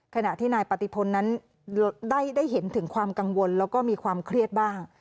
ขณะที่นายปฏิพลนั้นได้เห็นถึงความกังวลแล้วก็มีความเครียดบ้าง